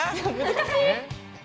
難しい！